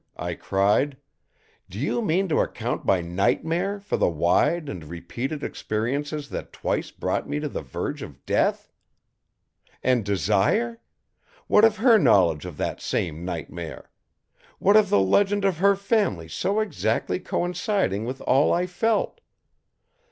I cried. "Do you mean to account by nightmare for the wide and repeated experiences that twice brought me to the verge of death? And Desire? What of her knowledge of that same nightmare? What of the legend of her family so exactly coinciding with all I felt?